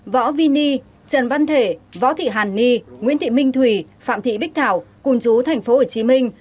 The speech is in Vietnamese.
võ vini trần văn thể võ thị hàn ni nguyễn thị minh thủy phạm thị bích thảo cùng chú tp hcm